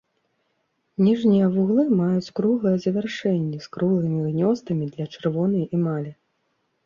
Ніжнія вуглы маюць круглыя завяршэнні з круглымі гнёздамі для чырвонай эмалі.